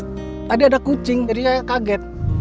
tadi ada kucing jadi saya kaget